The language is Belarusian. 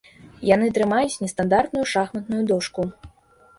Яны трымаюць нестандартную шахматную дошку.